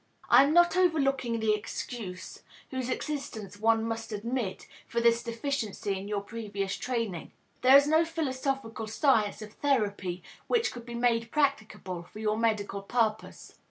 I am not overlooking the excuse, whose existence one must admit, for this deficiency in your previous training. There is no philosophical science of therapy which could be made practicable for your medical purpose.